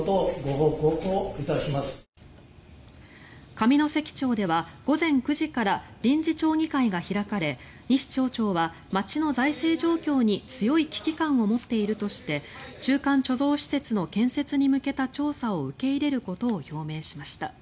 上関町では午前９時から臨時町議会が開かれ西町長は、町の財政状況に強い危機感を持っているとして中間貯蔵施設の建設に向けた調査を受け入れることを表明しました。